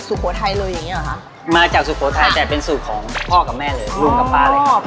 สวัสดีครับ